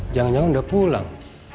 jangan jangan udah pulang